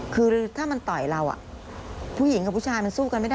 คือถ้ามันต่อยเราผู้หญิงกับผู้ชายมันสู้กันไม่ได้